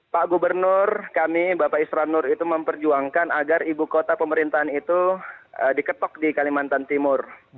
pak gubernur kami bapak isra nur itu memperjuangkan agar ibu kota pemerintahan itu diketok di kalimantan timur